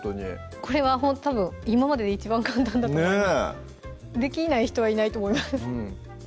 これはたぶん今までで一番簡単だと思いますできない人はいないと思います